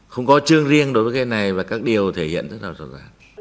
không có chương riêng đối với cái này và các điều thể hiện rất là rõ ràng